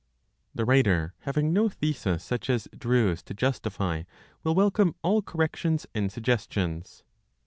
The writer, having no thesis such as Drews' to justify, will welcome all corrections and suggestions.